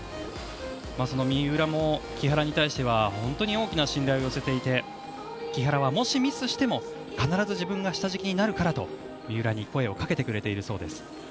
三浦も木原に対しては本当に大きな信頼を寄せていて木原は、もしミスしても必ず自分が下敷きになるからと三浦に声をかけてくれているそうです。